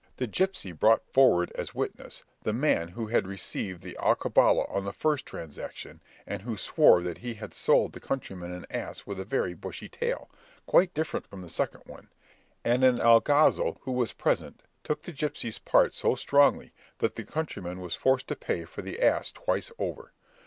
The gipsy brought forward as witness the man who had received the alcabala on the first transaction, and who swore that he had sold the countryman an ass with a very bushy tail, quite different from the second one; and an alguazil, who was present, took the gipsy's part so strongly that the countryman was forced to pay for the ass twice over.